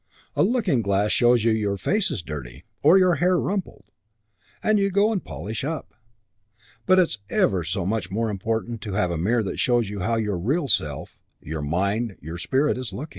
A looking glass shows you your face is dirty or your hair rumpled, and you go and polish up. But it's ever so much more important to have a mirror that shows you how your real self, your mind, your spirit, is looking.